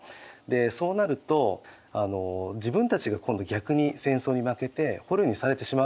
そうなると自分たちが今度逆に戦争に負けて捕虜にされてしまうかもしれないと。